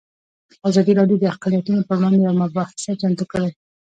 ازادي راډیو د اقلیتونه پر وړاندې یوه مباحثه چمتو کړې.